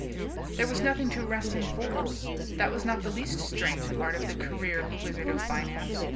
There was nothing to arrest him for. That was not the least strange part of the career of the Wizard of Finance.